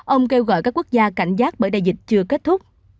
ông kêu gọi các quốc gia cảnh giác bởi đại dịch chưa kết thúc